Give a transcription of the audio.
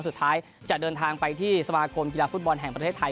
สุดท้ายจะเดินทางไปที่สมาคมกีฬาฟุตบอลแห่งประเทศไทย